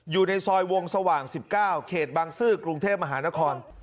อยู่ในซอยวงสว่าง๑๙เขตบางซื่อกรุงเทพมหานคร